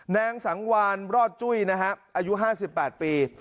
นางสังวานรอดจุ้ยนะฮะอายุ๕๘ปี